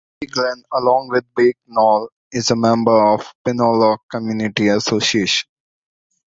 Bay Glen, along with Bay Knoll, is a member of the Pineloch Community Association.